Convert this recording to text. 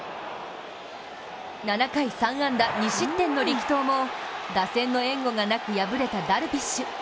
７回３安打２失点の力投も打線の援護がなく敗れたダルビッシュ。